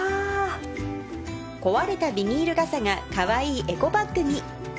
壊れたビニール傘がカワイイエコバッグに